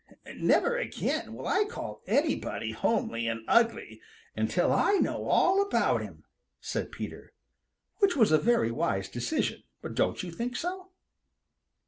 "Never again will I call anybody homely and ugly until I know all about him," said Peter, which was a very wise decision. Don't you think so?